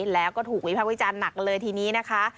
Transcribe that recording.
แล้วก็ถูกวิภาควิจารณ์หนักเลยทีนี้นะคะ